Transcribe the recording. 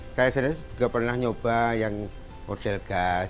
saya sendiri juga pernah nyoba yang model gas